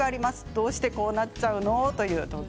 どうしてこうなっちゃうの？